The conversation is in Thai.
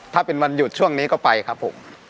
ถ้าเป็นวันหยุดช่วงนี้ก็ไปครับผม